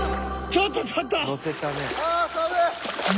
ちょっとちょっと！